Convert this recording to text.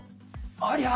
ありゃ！